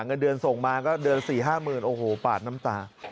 เงินเดือนส่งมาก็เดือน๔๕๐๐๐โอ้โหปาดน้ำตา